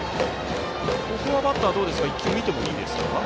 ここはバッター１球見ていいですか。